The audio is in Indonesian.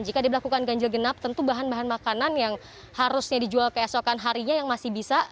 jika dilakukan ganjil genap tentu bahan bahan makanan yang harusnya dijual keesokan harinya yang masih bisa